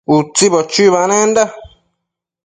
Utsibo chuibanenda